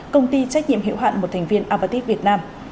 công ty trách nhiệm hữu hạn một thành viên apartheid việt nam